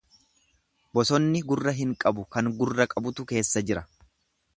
Bosonni gurra hin qabu kan gurra qabutu keessa jira.